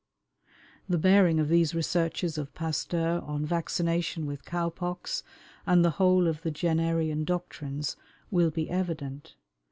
The bearing of these researches of Pasteur on vaccination with cow pox, and the whole of the Jennerian doctrines, will be evident.